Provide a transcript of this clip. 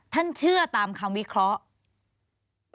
เชื่อตามคำวิเคราะห์